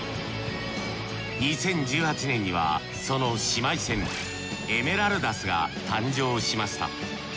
２０１８年にはその姉妹船エメラルダスが誕生しました。